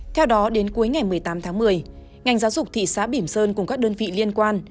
theo đó đến cuối ngày một mươi tám tháng một mươi ngành giáo dục thị xã bỉm sơn cùng các đơn vị liên quan